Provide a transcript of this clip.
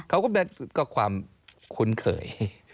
เขาก็ความคุ้นเคย